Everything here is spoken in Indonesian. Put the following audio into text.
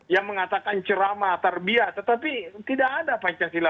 yang mengatakan cerama terbiar tetapi tidak ada pak cakila